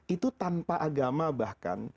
itu tanpa agama bahkan